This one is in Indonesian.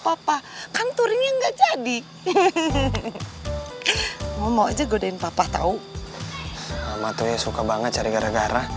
apa kantor ini enggak jadi hehehe mau aja godain papa tahu sama tuh suka banget cari gara gara